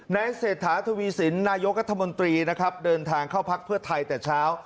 เศรษฐาทวีสินนายกรัฐมนตรีนะครับเดินทางเข้าพักเพื่อไทยแต่เช้า